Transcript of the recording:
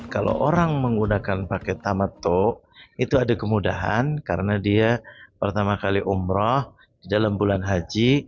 kalau orang menggunakan paket tamatu itu ada kemudahan karena dia pertama kali umroh dalam bulan haji